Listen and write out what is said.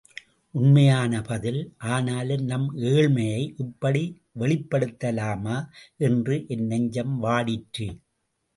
உண்மையான பதில், ஆனாலும் நம் ஏழ்மையை இப்படி வெளிப்படுத்தலாமா என்று என் நெஞ்சம் வாடிற்று.